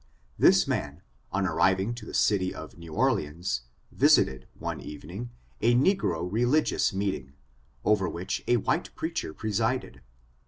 This man, on arriving at the city of New Orleans, visited, one evening, a negro religious meeting, over which a white preacher presided.